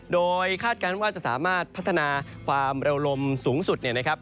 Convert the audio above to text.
โดยคาดการณ์ว่าจะสามารถพัฒนาความเร็วลมสูงสุดเนี่ยนะครับ